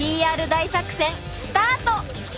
大作戦スタート！